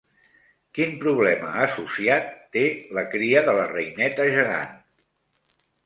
Quin problema associat té la cria de la reineta gegant?